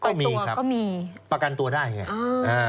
ก็มีครับก็มีประกันตัวได้ไง